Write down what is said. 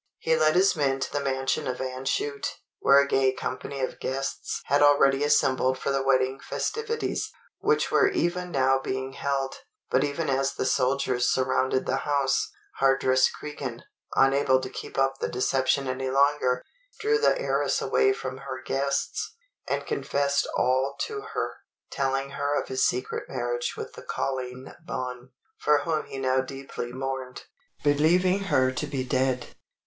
He led his men to the mansion of Anne Chute, where a gay company of guests had already assembled for the wedding festivities, which were even now being held; but even as the soldiers surrounded the house, Hardress Cregan, unable to keep up the deception any longer, drew the heiress away from her guests, and confessed all to her, telling her of his secret marriage with the Colleen Bawn, for whom he now deeply mourned, believing her to be dead.